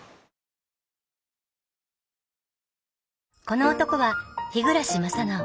この男は日暮正直。